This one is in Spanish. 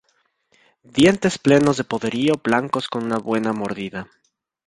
Dientes plenos de poderío, blancos con una buena mordida.